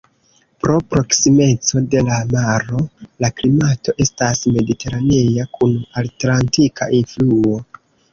Pro proksimeco de la maro, la klimato estas mediteranea kun atlantika influo.